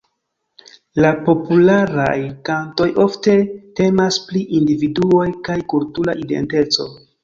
La popularaj kantoj ofte temas pri individuoj kaj kultura identeco.